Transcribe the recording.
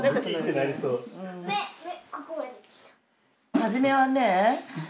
初めはね